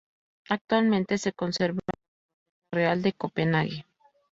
Actualmente se conserva en la Biblioteca Real de Copenhague.